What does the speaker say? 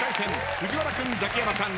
藤原君ザキヤマさん